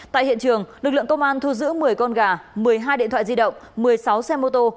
tại hiện trường lực lượng công an thu giữ một mươi con gà một mươi hai điện thoại di động một mươi sáu xe mô tô